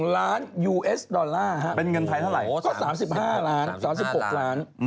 ๓๕ล้าน๓๖ล้าน